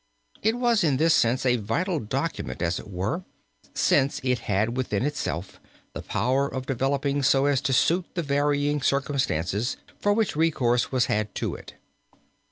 It was in this sense a vital document as it were, since it had within itself the power of developing so as to suit the varying circumstances for which recourse was had to it.